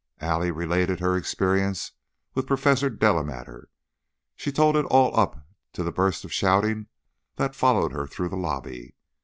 Allie related her experience with Professor Delamater; she told it all up to the burst of shouting that followed her through the lobby.